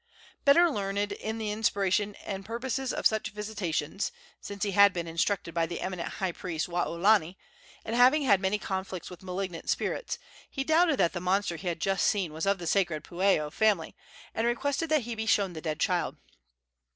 Better learned in the inspiration and purposes of such visitations since he had been instructed by the eminent high priest Waolani and having had many conflicts with malignant spirits, he doubted that the monster he had just seen was of the sacred pueo family, and requested that he be shown the dead child.